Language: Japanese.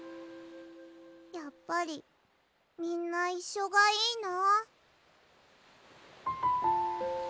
やっぱりみんないっしょがいいな。